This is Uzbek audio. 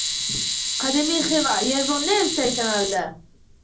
Qadimiy Xiva “Euronews” telekanalida